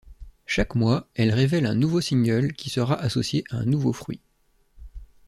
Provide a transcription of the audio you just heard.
Chaque mois elle révèle un nouveau single qui sera associé à un nouveau fruit.